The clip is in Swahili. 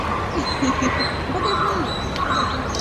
Wakuu wa Mkoa walioongoza Mkoa wa Manyara